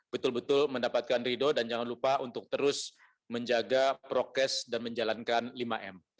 betul betul mendapatkan ridho dan jangan lupa untuk terus menjaga prokes dan menjalankan lima m